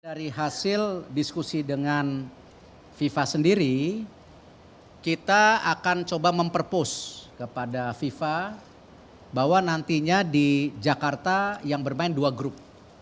dari hasil diskusi dengan fifa sendiri kita akan coba memperpose kepada fifa bahwa nantinya di jakarta yang bermain dua grup